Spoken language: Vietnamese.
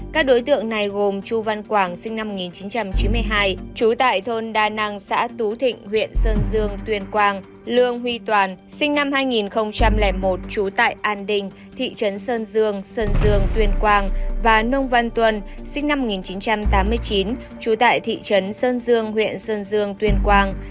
các đối tượng này gồm chu văn quảng sinh năm một nghìn chín trăm chín mươi hai trú tại thôn đà nẵng xã tú thịnh huyện sơn dương tuyên quang lương huy toàn sinh năm hai nghìn một trú tại an đình thị trấn sơn dương sơn dương tuyên quang và nông văn tuần sinh năm một nghìn chín trăm tám mươi chín trú tại thị trấn sơn dương huyện sơn dương tuyên quang